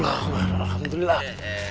iya mbak yuk